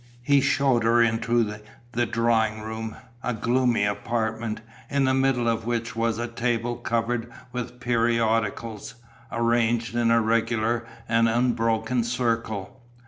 He showed her into the drawing room, a gloomy apartment, in the middle of which was a table covered with periodicals, arranged in a regular and unbroken circle.